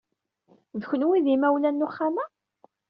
D kenwi ay d imawlan n uxxam-a?